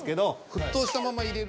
沸騰したまま入れると。